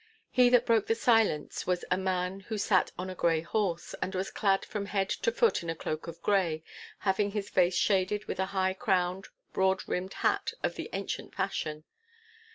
He that broke the silence was a tall man who sat on a grey horse, and was clad from head to foot in a cloak of grey, having his face shaded with a high crowned, broad brimmed hat of the ancient fashion.